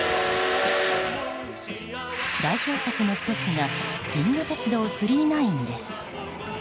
代表作の１つが「銀河鉄道９９９」です。